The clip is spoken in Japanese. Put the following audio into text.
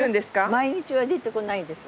毎日は出てこないです。